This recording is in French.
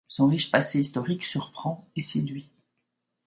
Son riche passé historique surprend et séduit.